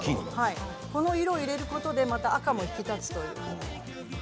この色を入れることで赤も引き立つんですね。